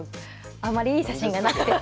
あまりいい写真がなくてすみません。